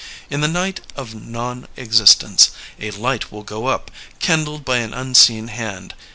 In the night of non existence a light will go up, kindled by an unseen hand.